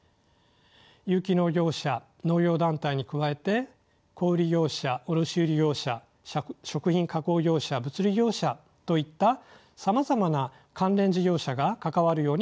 有機農業者農業団体に加えて小売業者卸売業者食品加工業者物流業者といったさまざまな関連事業者が関わるようになっています。